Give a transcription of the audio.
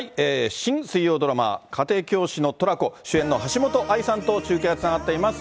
新水曜ドラマ、家庭教師のトラコ、主演の橋本愛さんと中継つながっています。